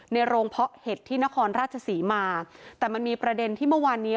ในโรงเพาะเห็ดที่นครราชศรีมาแต่มันมีประเด็นที่เมื่อวานนี้